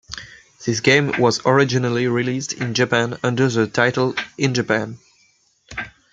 This game was originally released in Japan under the title in Japan.